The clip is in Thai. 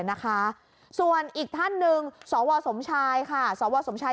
นะคะส่วนอีกท่านหนึ่งสวสมชายค่ะสวสมชาย